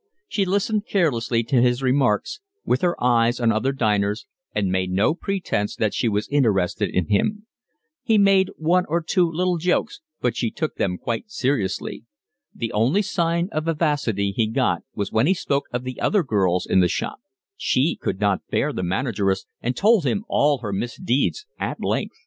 She listened carelessly to his remarks, with her eyes on other diners, and made no pretence that she was interested in him. He made one or two little jokes, but she took them quite seriously. The only sign of vivacity he got was when he spoke of the other girls in the shop; she could not bear the manageress and told him all her misdeeds at length.